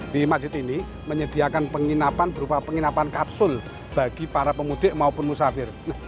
di masjid ini menyediakan penginapan berupa penginapan kapsul bagi para pemudik maupun musafir